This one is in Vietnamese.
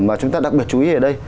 mà chúng ta đặc biệt chú ý ở đây